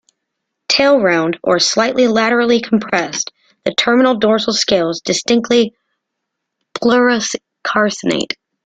Tail round or slightly laterally compressed, the terminal dorsal scales distinctly pluricarinate.